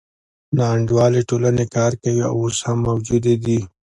ناانډولې ټولنې کار کوي او اوس هم موجودې دي.